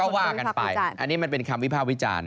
ว่ากันไปอันนี้มันเป็นคำวิภาควิจารณ์